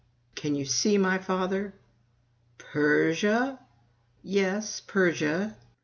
Can you see my father? "Persia?" "Yes, Persia."